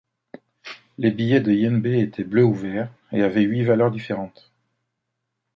Les billets de yen B étaient bleus ou verts et avaient huit valeurs différentes.